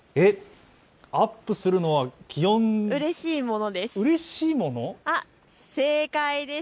アップするのは気温、うれしいものです。